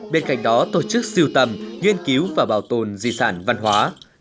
bên cạnh đó tổ chức siêu tầm nghiên cứu và bảo tồn di sản văn hóa